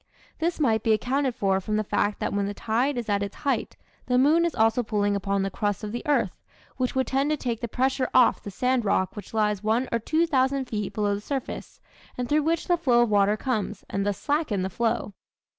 This might be accounted for from the fact that when the tide is at its height the moon is also pulling upon the crust of the earth, which would tend to take the pressure off the sand rock which lies one or two thousand feet below the surface and through which the flow of water comes, and thus slacken the flow.